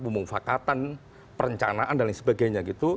mufakatan perencanaan dan lain sebagainya